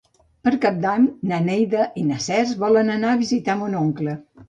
Per Cap d'Any na Neida i en Cesc volen anar a visitar mon oncle.